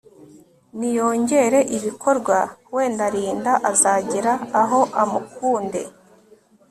niyongere ibikorwa wenda Linda azagera aho amukunde